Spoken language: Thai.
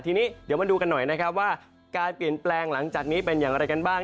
ทีนี้เดี๋ยวมาดูกันหน่อยนะครับว่าการเปลี่ยนแปลงหลังจากนี้เป็นอย่างไรกันบ้าง